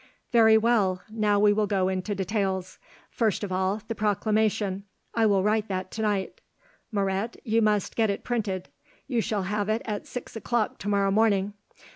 "Very well; now we will go into details. First of all, the Proclamation. I will write that to night. Moret, you must get it printed; you shall have it at six o'clock to morrow morning.